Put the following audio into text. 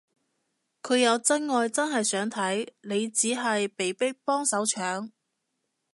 佢有真愛真係想睇，你只係被逼幫手搶